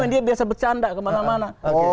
dia biasa bercanda kemana mana